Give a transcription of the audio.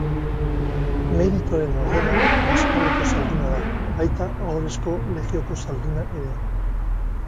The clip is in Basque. Merituaren Ordena Nazionaleko Zalduna da, baita Ohorezko Legioko Zalduna ere.